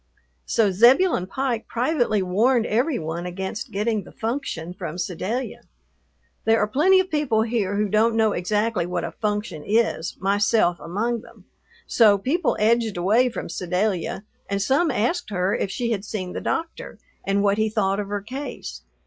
So Zebulon Pike privately warned every one against getting the "function" from Sedalia. There are plenty of people here who don't know exactly what a function is, myself among them. So people edged away from Sedalia, and some asked her if she had seen the doctor and what he thought of her case.